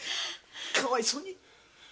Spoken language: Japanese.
かわいそうに。